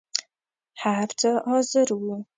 هر څه حاضر وو.